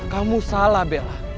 kamu salah bella